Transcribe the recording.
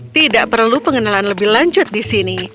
tidak perlu pengenalan lebih lanjut di sini